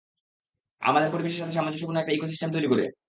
আমাদের পরিবেশের সাথে সামঞ্জস্যপূর্ণ একটা ইকো-সিস্টেম তৈরী করে।